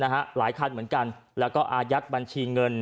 หลายคันเหมือนกันแล้วก็อายัดบัญชีเงิน